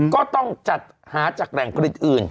ก็ต้องจัดหาจากแหล่งผลิตอื่น